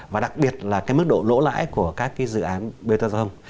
và đặc biệt là cái mức độ lỗ lãi của các cái dự án bê tơ do không